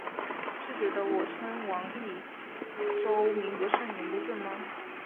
是觉得我称王益州名不正言不顺吗？